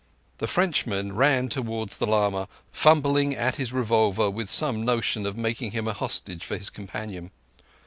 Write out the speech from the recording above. The Frenchman ran towards the lama, fumbling at his revolver with some notion of making him a hostage for his companion.